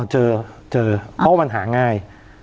เจอเจอเพราะมันหาง่าย